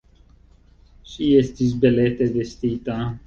Ŝi estis belete vestita.